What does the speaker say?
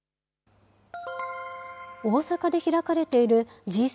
大阪で開かれているＧ７